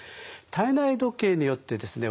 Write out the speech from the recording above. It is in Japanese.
体内時計によってですね